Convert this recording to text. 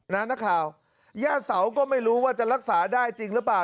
นักข่าวย่าเสาก็ไม่รู้ว่าจะรักษาได้จริงหรือเปล่า